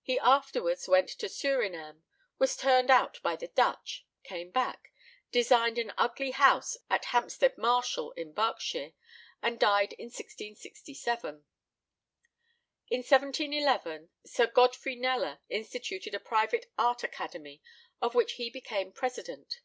He afterwards went to Surinam, was turned out by the Dutch, came back, designed an ugly house at Hampstead Marshal, in Berks, and died in 1667. In 1711 Sir Godfrey Kneller instituted a private art academy, of which he became president.